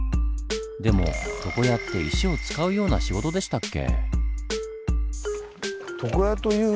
でも床屋って石を使うような仕事でしたっけ？